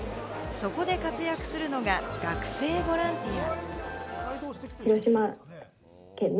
そこで活躍するのが学生ボランティア。